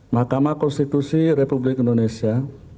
mahkamah konstitusi republik indonesia